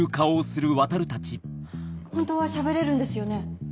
本当は喋れるんですよね？